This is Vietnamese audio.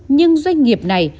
nhưng doanh nghiệp này